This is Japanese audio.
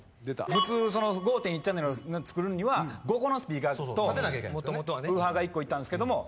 普通その５．１ｃｈを作るには５個のスピーカーとウーファーが１個いったんですけども。